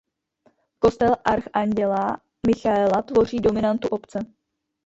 Kostel Archanděla Michaela tvoří dominantu obce.